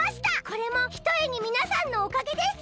これもひとえにみなさんのおかげです。